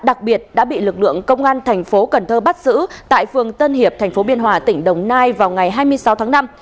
đặc biệt đã bị lực lượng công an tp cn bắt giữ tại phường tân hiệp tp biên hòa tỉnh đồng nai vào ngày hai mươi sáu tháng năm